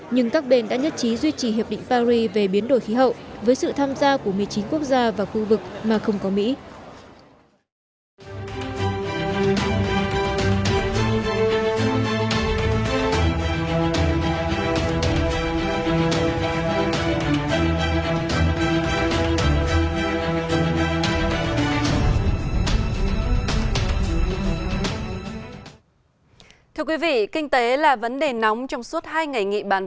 nhưng các bên đã nhất trí duy trì hiệp định paris về biến đổi khí hậu với sự tham gia của một mươi chín quốc gia và khu vực mà không có mỹ